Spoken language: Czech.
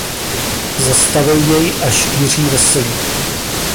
Zastavil jej až Jiří Veselý.